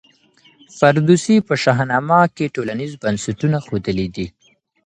فردوسي په شاهنامه کي ټولنیز بنسټونه ښودلي دي.